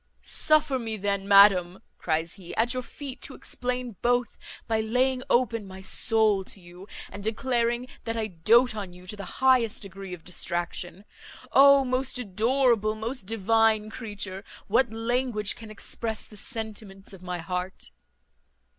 "Suffer me then, madam," cries he, "at your feet to explain both, by laying open my soul to you, and declaring that I doat on you to the highest degree of distraction. O most adorable, most divine creature! what language can express the sentiments of my heart?"